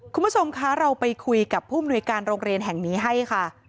คุณผู้ชมคะเราไปคุยกับผู้มนุยการโรงเรียนแห่งนี้ให้ค่ะ